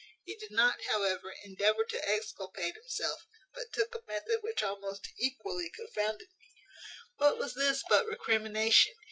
He did not, however, endeavour to exculpate himself; but took a method which almost equally confounded me. What was this but recrimination?